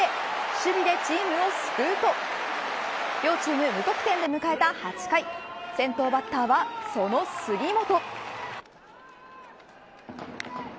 守備でチームを救うと両チーム無得点で迎えた８回先頭バッターはその杉本。